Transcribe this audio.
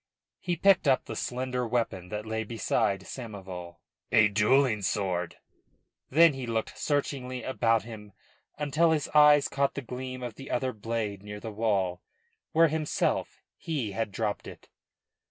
He picked up the slender weapon that lay beside Samoval. "A duelling sword!" Then he looked searchingly about him until his eyes caught the gleam of the other blade near the wall, where himself he had dropped it.